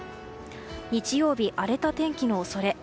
日曜日、荒れた天気の恐れ。